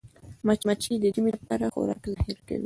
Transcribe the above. مچمچۍ د ژمي لپاره خوراک ذخیره کوي